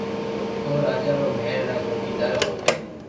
او راجا رو مھل را چوڪيدار اوني